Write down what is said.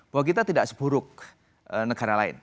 bahwa kita tidak seburuk negara lain